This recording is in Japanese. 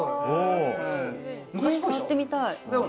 やってみたい！